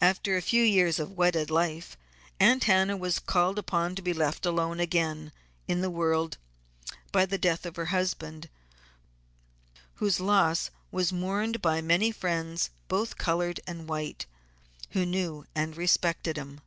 After a few years of wedded life, Aunt Hannah was called upon to be left alone again in the world by the death of her husband, whose loss was mourned by many friends, both colored and white, who knew and respected him.